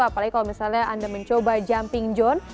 apalagi kalau misalnya anda mencoba jumping john